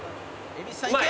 「蛭子さんいけ！」